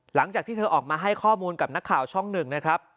หลังจากที่เธอออกมาให้ข้อมูลกับนักข่าวช่องหนึ่งนะครับ